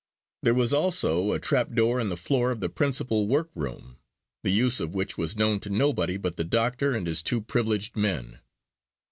There was also a trap door in the floor of the principal workroom, the use of which was known to nobody but the doctor and his two privileged men.